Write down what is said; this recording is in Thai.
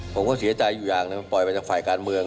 ผมก็เสียใจอยู่อย่างหนึ่งมันปล่อยมาจากฝ่ายการเมือง